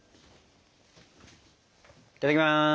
いただきます。